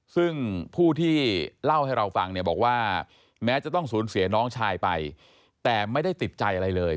ซึ่งผู้ที่เล่าให้เราฟังเนี่ยบอกว่าแม้จะต้องสูญเสียน้องชายไปแต่ไม่ได้ติดใจอะไรเลย